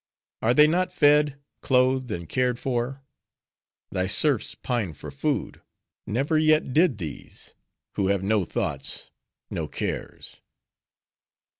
Are they not fed, clothed, and cared for? Thy serfs pine for food: never yet did these; who have no thoughts, no cares."